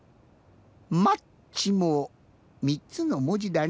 「マッチ」も３つのもじだね。